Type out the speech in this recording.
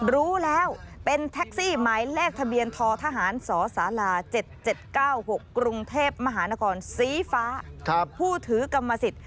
รู้แล้วเป็นแท็กซี่หมายเลขทะเบียนททหารสศ๗๗๙๖กรุงเทพมหานครสีฟ้าผู้ถือกรรมสิทธิ์